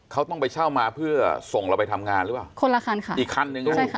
เขาต้องไปเช่ามาเพื่อส่งเราไปทำงานหรือเปล่าคนละคันค่ะอีกคันนึงด้วยใช่ค่ะ